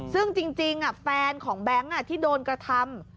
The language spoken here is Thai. ซึ่งจริงแฟนของแบงค์ที่โดนกระทำ